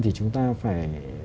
thì chúng ta phải